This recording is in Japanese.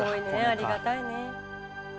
ありがたいね。